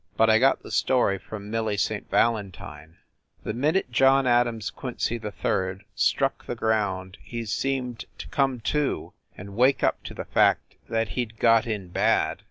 But I got the story from Millie St. Valentine. The minute John Adams Quincy 3d struck the ground he seemed to come to, and wake up to the fact that he d got in bad.